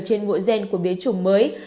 trên ngộ gen của biến chủng mới